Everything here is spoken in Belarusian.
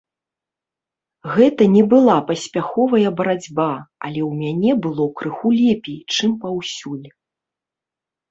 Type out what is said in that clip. Гэта не была паспяховая барацьба, але ў мяне было крыху лепей, чым паўсюль.